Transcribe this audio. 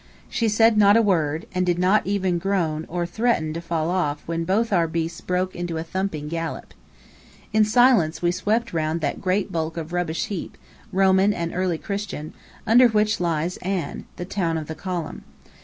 She said not a word, and did not even groan or threaten to fall off when both our beasts broke into a thumping gallop. In silence we swept round that great bulk of rubbish heap, Roman and early Christian, under which lies An, the town of the Column.